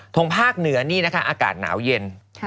ภาคเหนือนี่นะคะอากาศหนาวเย็น